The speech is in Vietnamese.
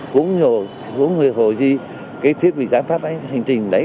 cũng hồi gì cái thiết bị giám phát hành trình đấy